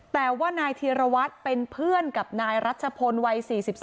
แต่ว่านายธีรวัตรเป็นเพื่อนกับนายรัชพลวัย๔๒